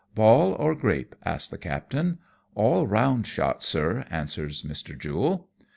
"Ball or grape?" asks the captain. " All round shot, sir," answers Mr. Jule.